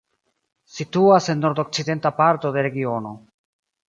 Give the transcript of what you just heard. Situas en nordokcidenta parto de regiono.